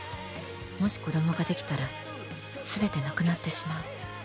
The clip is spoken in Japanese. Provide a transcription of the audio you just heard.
もし子供ができたら全てなくなってしまう。